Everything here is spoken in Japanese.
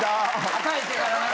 与えてから。